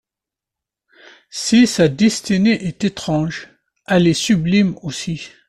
Si sa destinée est étrange, elle est sublime aussi.